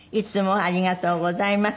わあありがとうございます。